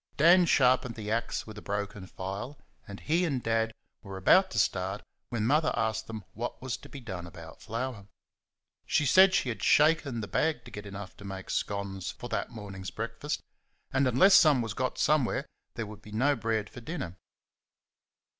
Dan had sharpened the axe with a broken file, and he and Dad were about to start when Mother asked them what was to be done about flour? She said she had shaken the bag to get enough to make scones for that morning's breakfast, and unless some was got somewhere there would be no bread for dinner.